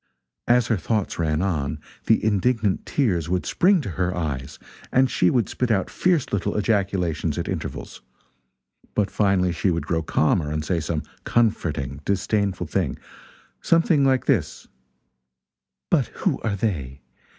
As her thoughts ran on, the indignant tears would spring to her eyes, and she would spit out fierce little ejaculations at intervals. But finally she would grow calmer and say some comforting disdainful thing something like this: "But who are they?